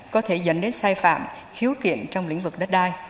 có thể dẫn đến sai phạm khiếu kiện trong lĩnh vực đất đai